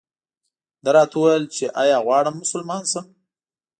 ده راته وویل چې ایا غواړم مسلمان شم.